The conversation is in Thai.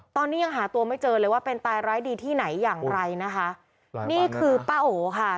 ตอนนี้ยังหาตัวไม่เจอเลยว่าเป็นตายร้ายดีที่ไหนอย่างไรนะคะนี่คือป้าโอค่ะ